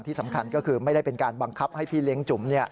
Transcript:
ที่สำคัญก็คือไม่ได้เป็นการบังคับให้พี่เลี้ยงจุ๋ม